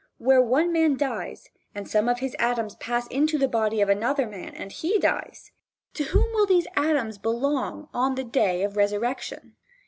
Where one man dies, and some of his atoms pass into the body of another man and he dies, to whom will these atoms belong in the day of resurrection?